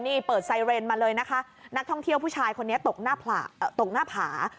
นี่เปิดไซเรนมาเลยนะคะนักท่องเที่ยวผู้ชายคนนี้ตกหน้าตกหน้าผา